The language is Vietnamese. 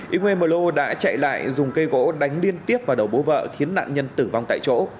yngwe mờ lô đã chạy lại dùng cây gỗ đánh liên tiếp vào đầu bố vợ khiến nạn nhân tử vong tại chỗ